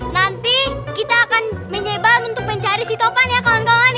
nanti kita akan menyebab untuk mencari si tauper ya kawan kawan